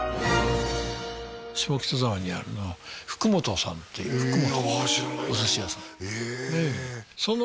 下北沢にある福元さんっていうお寿司屋さんあっ